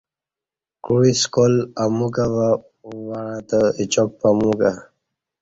کوعی سکال اموکں وعتہ اچا ک پمو کں